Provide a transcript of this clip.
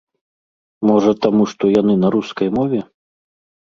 Можа, таму што яны на рускай мове?